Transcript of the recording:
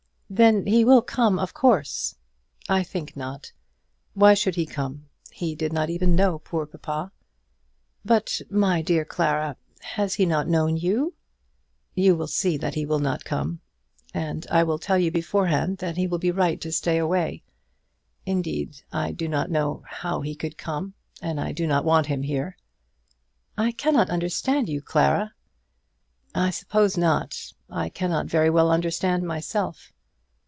"Then he will come, of course." "I think not. Why should he come? He did not even know poor papa." "But, my dear Clara, has he not known you?" "You will see that he will not come. And I tell you beforehand that he will be right to stay away. Indeed, I do not know how he could come; and I do not want him here." "I cannot understand you, Clara." "I suppose not. I cannot very well understand myself."